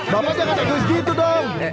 bapak jangan agus gitu dong